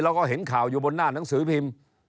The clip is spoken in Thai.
แล้วก็เห็นข่าวอยู่บนหน้าหนังสือพิมพ์